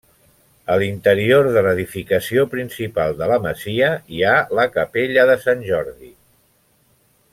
A l'interior de l'edificació principal de la masia hi ha la capella de Sant Jordi.